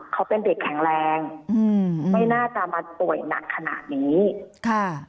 เขาเป็นเด็กแข็งแรงอืมไม่น่าจะมาป่วยหนักขนาดนี้ค่ะ